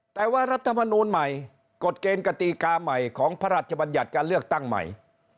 แต่ว่ารัฐมนูลใหม่กฎเกณฑ์กติกาใหม่ของพระราชบัญญัติการเลือกตั้งใหม่